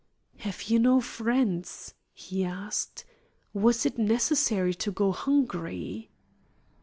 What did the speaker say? "Have you no friends?" he asked. "Was it necessary to go hungry?"